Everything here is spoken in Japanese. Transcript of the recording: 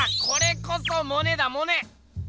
これこそモネだモネ！